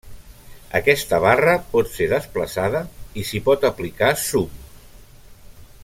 Aquesta barra pot ser desplaçada i s'hi pot aplicar zoom.